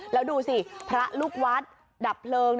แล้วดูสิพระลูกวัดดับเพลิง